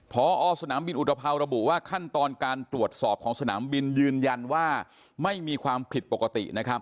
พอสนามบินอุตภาวระบุว่าขั้นตอนการตรวจสอบของสนามบินยืนยันว่าไม่มีความผิดปกตินะครับ